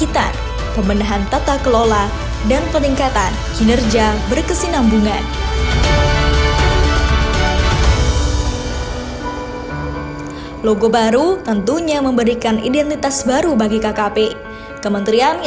terhadap tugas dan fungsi kementerian